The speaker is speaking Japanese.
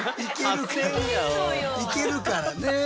いけるからね。